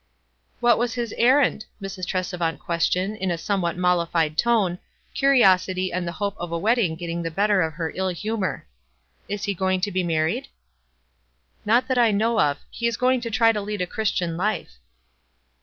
"What was his errand?" Mrs. Tresevant WISE AND OTHERWISE. 209 questioned, in a somewhat mollified tone, curi osity and the hope of a wedding getting the bet ter of her ill humor. "Is he going to be mar ried?" " Not that I know of. He is going to try to lead a Christian life."